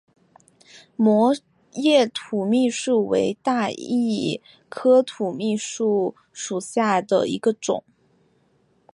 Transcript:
膜叶土蜜树为大戟科土蜜树属下的一个种。